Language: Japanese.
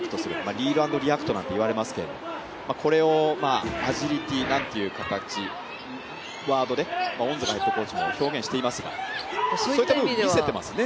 リールアンドリアクトなんていわれますけどこれをアジリティーなんていう形ワードで恩塚ヘッドコーチも表現をしていますが見せてますね。